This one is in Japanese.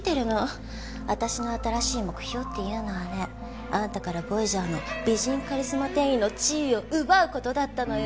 私の新しい目標っていうのはねあなたからボイジャーの美人カリスマ店員の地位を奪う事だったのよ！